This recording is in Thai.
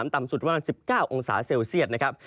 ต่ำสุดประมาณ๑๙องศาเซลเซียตนะครับ